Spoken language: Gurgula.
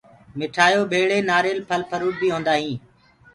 مٺآيو ڀيݪی نآريل ڦل ڦروٚ بي هوندآ هينٚ۔